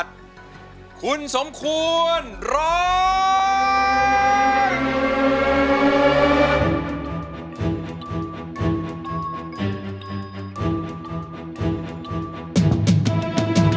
โทษใจโทษใจโทษใจโทษใจโทษใจโทษใจโทษใจ